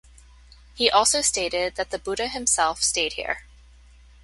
He also stated that the Buddha himself stayed here.